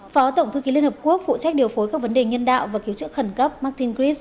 phó tổng thư ký liên hợp quốc phụ trách điều phối các vấn đề nhân đạo và cứu trợ khẩn cấp martin griff